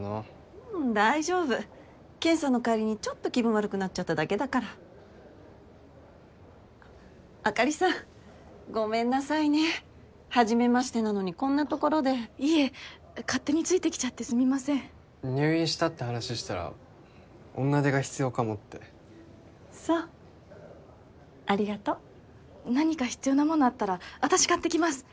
うん大丈夫検査の帰りにちょっと気分悪くなっちゃっただけだからあかりさんごめんなさいねはじめましてなのにこんなところでいえ勝手についてきちゃってすみません入院したって話したら女手が必要かもってそうありがとう何か必要な物あったら私買ってきます